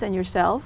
mà ông ấy nói là